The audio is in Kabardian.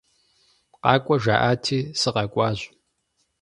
Къакӏуэ жаӏати, сыкъэкӏуащ.